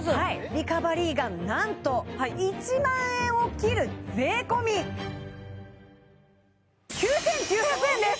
リカバリーガンなんと１万円を切る税込９９００円です！